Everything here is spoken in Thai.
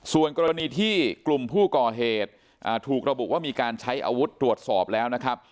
ส่วนกรณีที่กลุ่มผู้ก่อเหตุถูกระบุว่ามีการใช้อาวุธตรวจสอบแล้วนะครับ